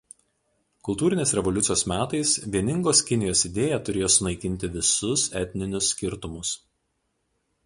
Kultūrinės revoliucijos metais vieningos Kinijos idėja turėjo sunaikinti visus etninius skirtumus.